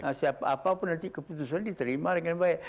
nah siapa apapun nanti keputusan diterima dengan baik